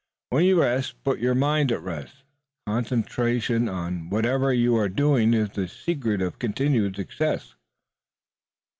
When you rest, put your mind at rest. Concentration on whatever you are doing is the secret of continued success."